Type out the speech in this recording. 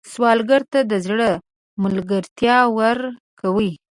سوالګر ته د زړه ملګرتیا ورکوئ